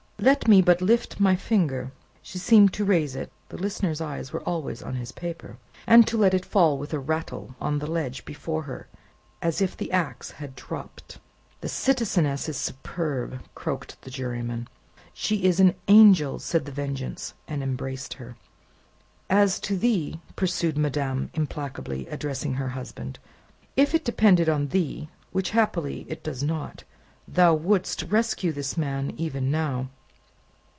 Let me but lift my finger !" She seemed to raise it (the listener's eyes were always on his paper), and to let it fall with a rattle on the ledge before her, as if the axe had dropped. "The citizeness is superb!" croaked the Juryman. "She is an Angel!" said The Vengeance, and embraced her. "As to thee," pursued madame, implacably, addressing her husband, "if it depended on thee which, happily, it does not thou wouldst rescue this man even now."